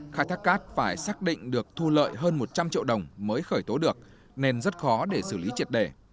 khai thác cát phải xác định được thu lợi hơn một trăm linh triệu đồng mới khởi tố được nên rất khó để xử lý triệt đề